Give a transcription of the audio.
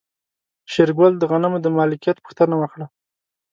شېرګل د غنمو د مالکيت پوښتنه وکړه.